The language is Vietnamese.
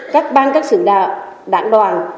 các bang các xưởng đạo đảng đoàn